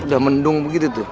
udah mendung begitu tuh